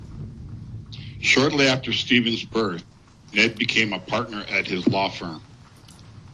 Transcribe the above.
Shortly after Steven's birth, Ned became a partner at his law firm.